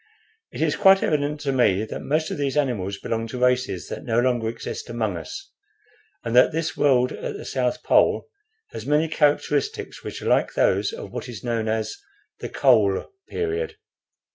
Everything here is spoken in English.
It is quite evident to me that most of these animals belong to races that no longer exist among us, and that this world at the South Pole has many characteristics which are like those of what is known as the Coal Period.